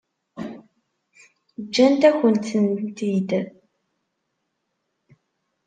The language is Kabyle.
Ǧǧant-akent-tent-id?